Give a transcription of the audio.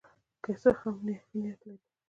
که څه هم ښه نیت لري.